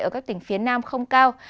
ở các tỉnh phía nam không cao